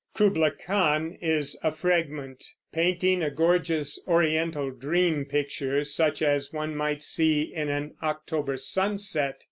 "Kubla Khan" is a fragment, painting a gorgeous Oriental dream picture, such as one might see in an October sunset.